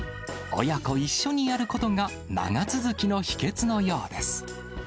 親子一緒にやることが長続きの秘けつのようです。